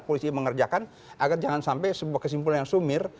polisi mengerjakan agar jangan sampai sebuah kesimpulan yang sumir